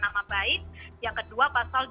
nama baik yang kedua pasal